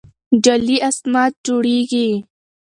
جعلي اسناد جوړېږي.